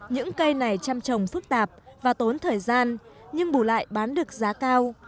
những cây này chăm trồng phức tạp và tốn thời gian nhưng bù lại bán được giá cao